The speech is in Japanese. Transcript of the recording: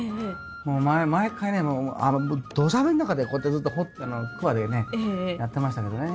もう毎回ねもうどしゃ降りの中でこうやってずっとくわでねやってましたけどね。